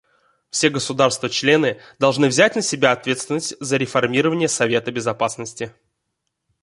Все государства-члены должны взять на себя ответственность за реформирование Совета Безопасности.